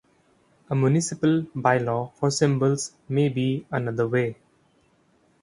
A municipal bylaw for symbols may be another way.